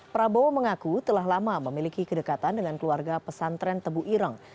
prabowo mengaku telah lama memiliki kedekatan dengan keluarga pesantren tebu ireng